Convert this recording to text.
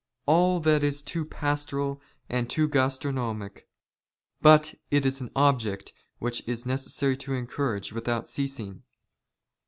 All that is too pastoral and too ''gastronomic ; but it is an object which it is necessary to en " courage without ceasing.